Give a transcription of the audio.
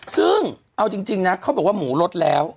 ซึ่งเอาจริงนะเขาบอกว่าหมูลดแล้ว